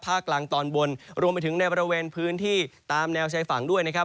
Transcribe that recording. กลางตอนบนรวมไปถึงในบริเวณพื้นที่ตามแนวชายฝั่งด้วยนะครับ